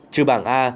trừ bảng a